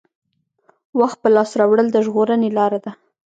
وخت په لاس راوړل د ژغورنې لاره ده.